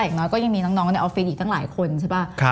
อย่างน้อยก็ยังมีน้องในออฟฟิศอีกตั้งหลายคนใช่ป่ะ